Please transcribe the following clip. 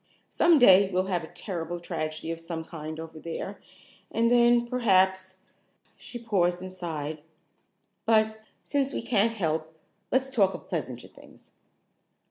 Some day we'll have a terrible tragedy of some kind over there, and then perhaps " she paused and sighed. "But, since we can't help, let's talk of pleasanter things."